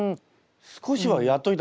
少しはやっといた方が？